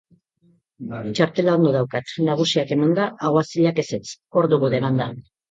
Txartela ondo daukat, nagusiak emanda, aguazilak ezetz, hor dugu demanda.